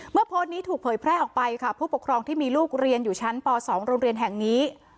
โพสต์นี้ถูกเผยแพร่ออกไปค่ะผู้ปกครองที่มีลูกเรียนอยู่ชั้นป๒โรงเรียนแห่งนี้